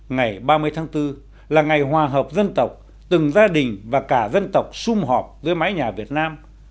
ngày ba mươi tháng bốn là ngày hòa hợp dân tộc từng gia đình và cả dân tộc xung họp dưới mái nhà việt nam